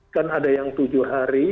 kan ada yang tujuh hari